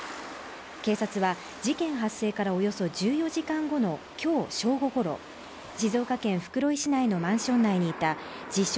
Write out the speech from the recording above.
警察は事件発生からおよそ１４時間後の今日正午ごろ、静岡県袋井市内のマンション内にいた自称・